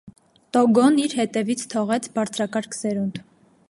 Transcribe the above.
Տոգոն իր հետևից թողեց բարձրակարգ սերունդ։